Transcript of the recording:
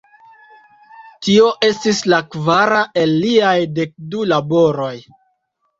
Tio estis la kvara el liaj dek du laboroj.